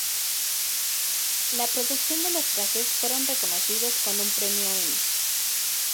La producción de los trajes fueron reconocidos con un Premio Emmy.